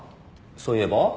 そういえば？